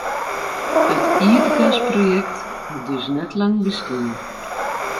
It ierdgasprojekt hat dus net lang bestien.